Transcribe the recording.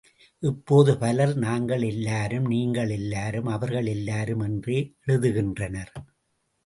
இப்போது பலர் நாங்கள் எல்லாரும், நீங்கள் எல்லாரும், அவர்கள் எல்லாரும் என்றே எழுதுகின்றனர்.